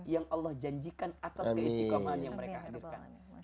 yang allah janjikan atas keistikomahan yang mereka hadirkan